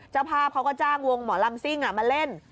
เจ้าภาพเขาก็จ้างวงหมอลำซิ่งมาเล่น